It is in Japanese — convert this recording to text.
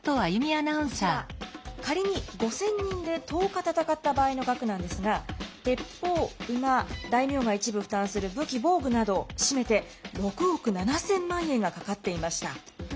こちら仮に５，０００人で１０日戦った場合の額なんですが鉄砲馬大名が一部負担する武器防具など締めて６億７，０００万円がかかっていました。